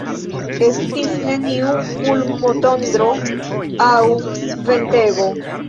Estis neniu fulmotondro aŭ ventego.